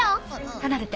離れて。